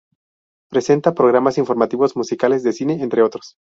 Presenta programas informativos, musicales, de cine, entre otros.